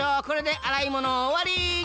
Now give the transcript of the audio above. これであらいものおわり。